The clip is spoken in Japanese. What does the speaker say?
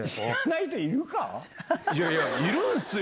いやいや、いるんすよ。